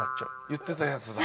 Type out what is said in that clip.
言ってたやつだ。